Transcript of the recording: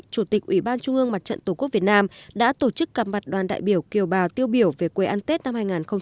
chủ tịch ủy ban trung ương mặt trận tổ quốc việt nam đã tổ chức gặp mặt đoàn đại biểu kiều bào tiêu biểu về quê ăn tết năm hai nghìn hai mươi bốn